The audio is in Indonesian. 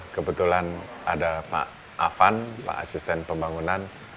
kebetulan ada pak afan pak asisten pembangunan